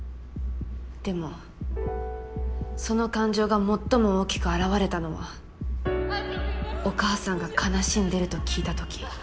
でもその感情が最も大きく現れたのはお母さんが悲しんでると聞いた時。